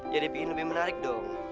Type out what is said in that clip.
jadi bikin lebih menarik dong